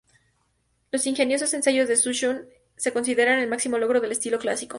Los ingeniosos ensayos de Su Xun se consideran el máximo logro del estilo clásico.